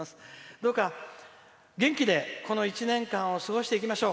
どうか、元気でこの一年間を過ごしていきましょう。